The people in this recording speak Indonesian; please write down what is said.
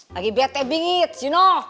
lagi bete bingit you know